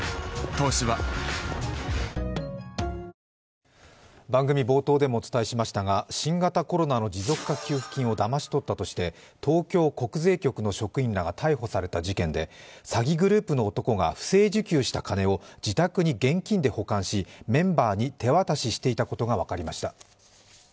「東芝」番組冒頭でもお伝えしましたが新型コロナの持続化給付金をだまし取ったとして東京国税局の職員らが逮捕された事件で詐欺グループの男が不正受給した金を自宅に現金で保管し、メンバーに手渡ししていたことが分かりました。